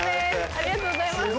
ありがとうございます。